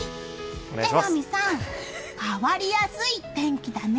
榎並さん、変わりやすい天気だね。